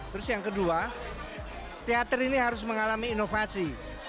terus yang kedua teater ini harus mengalami inovasi